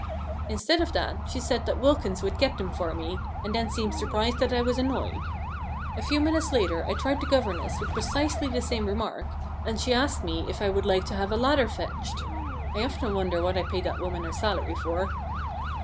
Instead of that, she said that Wilkins would get them for me, and then seemed surprised that I was annoyed. A few minutes later I tried the governess with precisely the same remark, and she asked me if I would like to have a ladder fetched. (I often wonder what I pay that woman her salary for.)